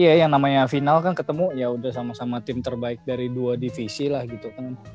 iya yang namanya final kan ketemu ya udah sama sama tim terbaik dari dua divisi lah gitu kan